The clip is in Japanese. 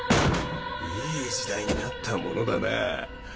いい時代になったものだなぁ。